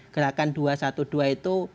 gerakan dua ratus dua belas itu